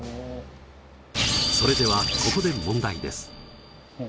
それではここで問題です。